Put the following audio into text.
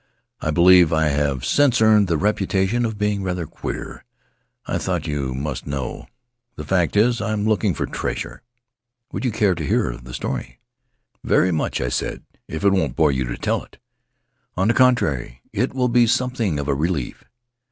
I believe I have since earned the reputation of being rather queer. I thought you must know. The fact is I'm looking for treasure. Would you care to hear the story?" Very much," I said, "if it won't bore you to tell it." On the contrary, it will be something of a relief.